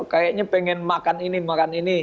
kayaknya pengen makan ini makan ini